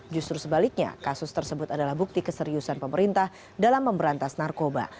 justru sebaliknya kasus tersebut adalah bukti keseriusan pemerintah dalam memberantas narkoba